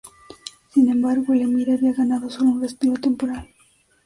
Sin embargo, el emir había ganado sólo un respiro temporal.